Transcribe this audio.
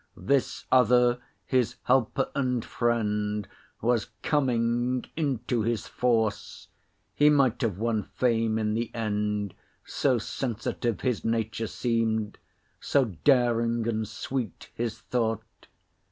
This other his helper and friend Was coming into his force; He might have won fame in the end, So sensitive his nature seemed, So daring and sweet his thought.